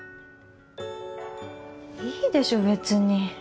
いいでしょ別に。